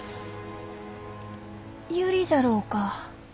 ユリじゃろうか？